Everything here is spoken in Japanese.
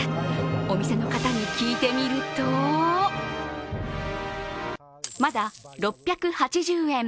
お店の方に聞いてみるとまだ６８０円。